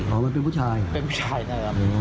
ก็เขาเข้าไปห้องน้ำผู้หญิงครับ